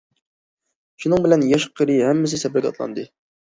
شۇنىڭ بىلەن ياش- قېرى ھەممىسى سەپەرگە ئاتلاندى.